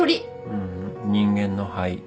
ううん人間の肺。